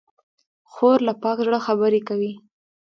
خور له پاک زړه خبرې کوي.